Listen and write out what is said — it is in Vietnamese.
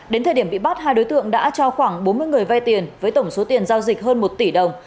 đến thời điểm bị bắt hai đối tượng đã cho khoảng bốn mươi người vay tiền với tổng số tiền giao dịch hơn một tỷ đồng